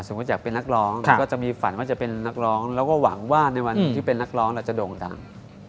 อยากเป็นนักร้องก็จะมีฝันว่าจะเป็นนักร้องแล้วก็หวังว่าในวันที่เป็นนักร้องเราจะโด่งดัง